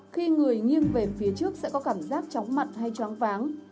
khi người nghiêng về phía trước sẽ có cảm giác chóng mặt hay choáng váng